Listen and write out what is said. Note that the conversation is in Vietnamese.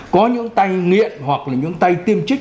có những tay nghiện hoặc là những tay tiêm trích